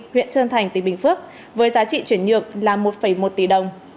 huyện trơn thành tỉnh bình phước với giá trị chuyển nhượng là một một tỷ đồng